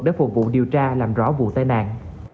để phục vụ điều tra làm rõ vụ tai nạn